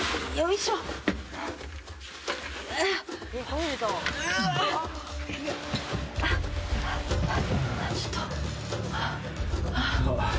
ちょっと。